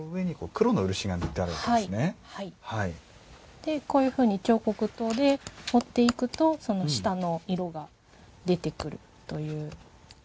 でこういうふうに彫刻刀で彫っていくとその下の色が出てくるという。